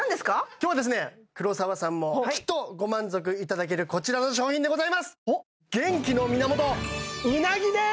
今日はですね黒沢さんもきっとご満足いただけるこちらの商品でございます元気の源うなぎです！